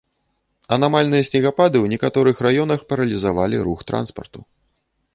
Анамальныя снегапады ў некаторых раёнах паралізавалі рух транспарту.